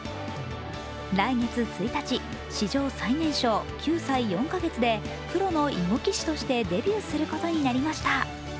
来月１日、史上最年少９歳４カ月でプロの囲碁棋士としてデビューすることになりました。